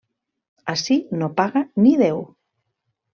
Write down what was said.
Ací no paga ni Déu!